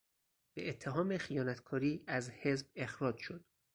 به اتهام خیانتکاری از حزب اخراج شد.